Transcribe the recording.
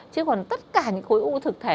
chứ còn tất cả những khối u thực thể